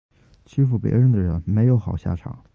欺负别人的人没有好下场